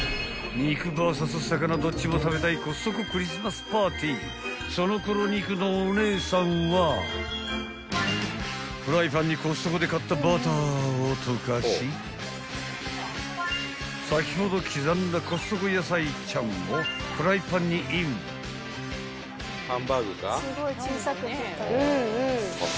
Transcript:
肉のお姉さんはフライパンにコストコで買ったバターを溶かし先ほど刻んだコストコ野菜ちゃんをフライパンにイン］